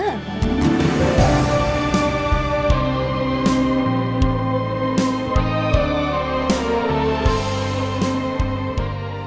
kamu gak yakin